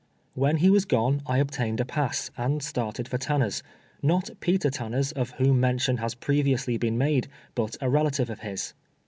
When he was gone I obtained a pass, and started for Tanner's — not Peter Tanner's, of whom mention has previously been made, but a relative of his.